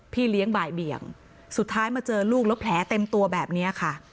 พี่เลี้ยงบ่ายเบี่ยงสุดท้ายมาเจอลูกแล้วแผลเต็มตัวแบบนี้ค่ะ